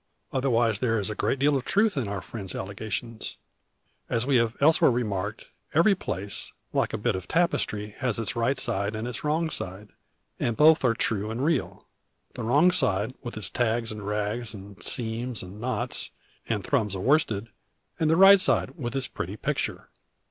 Otherwise there is a great deal of truth in our friend's allegations. As we have elsewhere remarked, every place, like a bit of tapestry, has its right side and its wrong side; and both are true and real, the wrong side with its tags and rags, and seams and knots, and thrums of worsted, and the right side with its pretty picture.